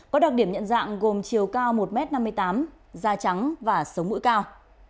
có đặc điểm nhận dạng gồm chiều cao một m năm mươi tám da trắng và sống mũi cao